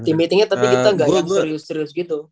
team meetingnya tapi kita gak yang serius serius gitu